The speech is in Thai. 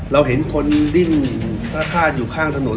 เราเห็นคนดิ้นพระธาตุอยู่ข้างถนน